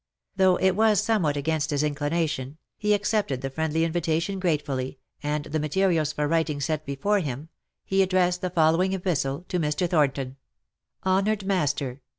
Though it was somewhat against his inclination, he accepted the friendly invi tation gratefully, and the materials for writing being set before him, he addressed the following epistle to Mr. Thornton :" Honoured Master